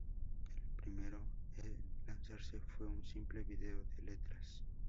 El primero en lanzarse fue un simple video de letras.